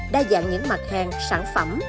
đa dạng những mặt hàng sản phẩm